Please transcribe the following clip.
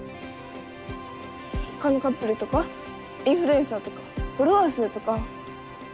他のカップルとかインフルエンサーとかフォロワー数とか。